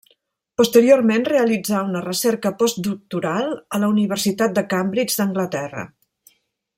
Posteriorment realitzà una recerca postdoctoral a la Universitat de Cambridge d'Anglaterra.